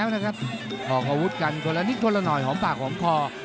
รถยกที่หนึ่ง